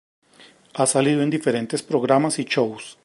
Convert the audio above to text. A salido en diferentes programas y shows.